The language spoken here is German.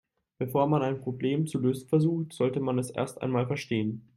Bevor man ein Problem zu lösen versucht, sollte man es erst einmal verstehen.